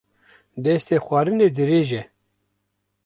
Destê xwarinê dirêj e